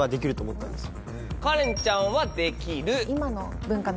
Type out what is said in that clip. カレンちゃんは「できる」。